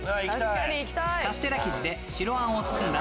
カステラ生地で白あんを包んだ